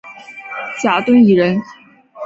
贾敦颐人。